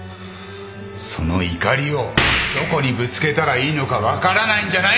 その怒りをどこにぶつけたらいいのか分からないんじゃないのか！